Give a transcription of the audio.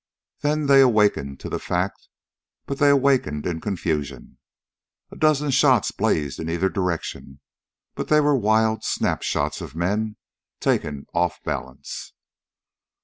Then they awakened to the fact, but they awakened in confusion. A dozen shots blazed in either direction, but they were wild, snapshots of men taken off balance.